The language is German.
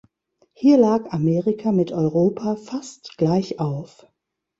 Hier lag Amerika mit Europa fast gleichauf.